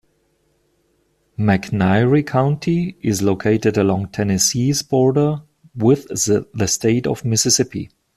McNairy County is located along Tennessee's border with the state of Mississippi.